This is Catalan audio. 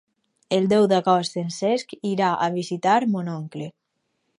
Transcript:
El deu d'agost en Cesc irà a visitar mon oncle.